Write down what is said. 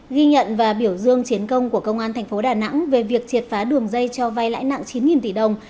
ghi nhận và biểu dương chiến công của công an thành phố đà nẵng về việc triệt phá đường dây cho vay lãi nặng chín tỷ đồng